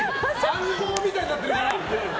暗号みたいになってるな！